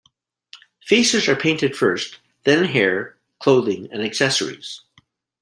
Faces are painted first, then hair, clothing and accessories.